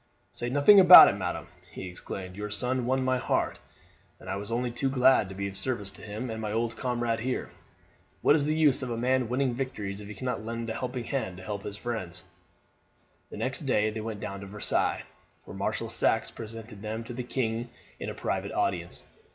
"Say nothing about it, madam," he exclaimed. "Your son won my heart, and I was only too glad to be of service to him and my old comrade here. What is the use of a man winning victories if he cannot lend a helping hand to his friends!" The next day they went down to Versailles, where Marshal Saxe presented them to the king in a private audience.